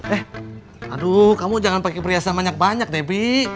eh aduh kamu jangan pake perhiasan banyak banyak debi